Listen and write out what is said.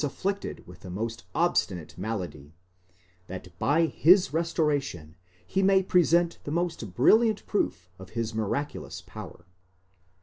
afflicted with the most obstinate malady, that by his restoration he may pre sent the most brilliant proof of his miraculous power.